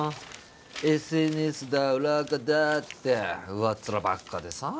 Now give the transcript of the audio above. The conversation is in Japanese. ＳＮＳ だ裏アカだって上っ面ばっかでさ